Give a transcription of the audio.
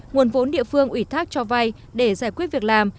nguồn vốn địa phương ủy thác cho vay để giải quyết việc làm